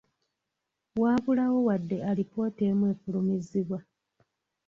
Waabulawo wadde alipoota emu efulumizibwa.